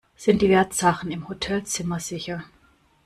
Sind die Wertsachen im Hotelzimmer sicher?